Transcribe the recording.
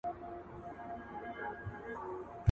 • د همسايه والي چي غلا کې، چيري بې په غوږ کې؟